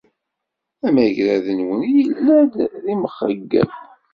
Amagrad-nwen yella-d d imxeyyeb.